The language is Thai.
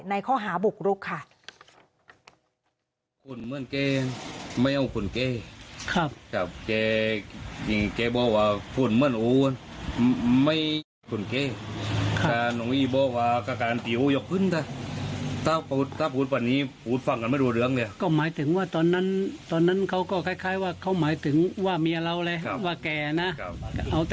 ข้อหาบุกรุกค่ะ